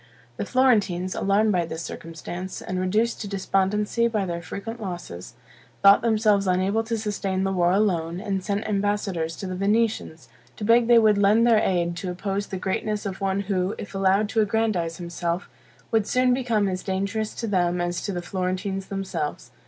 The Florentines, alarmed by this circumstance, and reduced to despondency by their frequent losses, thought themselves unable to sustain the war alone, and sent ambassadors to the Venetians, to beg they would lend their aid to oppose the greatness of one who, if allowed to aggrandize himself, would soon become as dangerous to them as to the Florentines themselves.